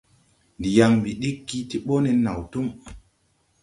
Ndi yaŋ ɓi ɗiggi ti ɓɔ nen naw tum.